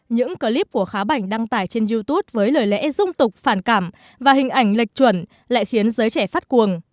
những clip của khá bảnh đăng tải trên youtube với lời lẽ dung tục phản cảm và hình ảnh lệch chuẩn lại khiến giới trẻ phát cuồng